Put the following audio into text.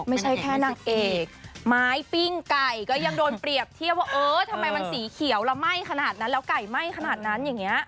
ไม่ใช่แค่นางเอกไม้ปิ้งไก่ก็ยังโดนเปรียบเทียบว่าเออทำไมมันสีเขียวแล้วไหม้ขนาดนั้นแล้วไก่ไหม้ขนาดนั้นอย่างนี้